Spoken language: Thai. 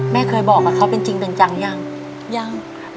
แม่เคยบอกกับเขาเป็นจริงเป็นจังยังยัง